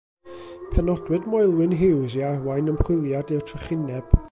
Penodwyd Moelwyn Hughes i arwain ymchwiliad i'r trychineb.